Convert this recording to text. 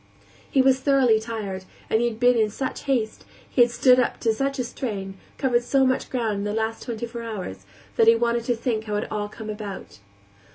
He was thoroughly tired; he had been in such haste, he had stood up to such a strain, covered so much ground in the last twenty four hours, that he wanted to think how it had all come about.